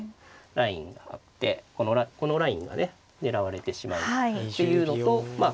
ラインがあってこのラインがね狙われてしまうっていうのとまあ